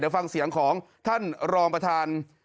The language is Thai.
ฟังเสียงของท่านรองประธาน